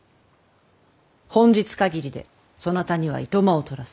本日限りでそなたには暇をとらす。